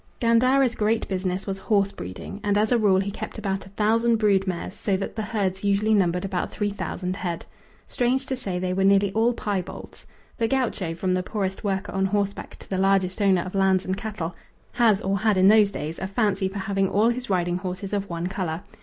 Gandara's great business was horse breeding, and as a rule he kept about a thousand brood mares, so that the herds usually numbered about three thousand head. Strange to say, they were nearly all piebalds. The gaucho, from the poorest worker on horseback to the largest owner of lands and cattle, has, or had in those days, a fancy for having all his riding horses of one colour.